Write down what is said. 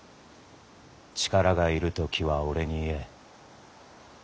力がいる時は俺に言え。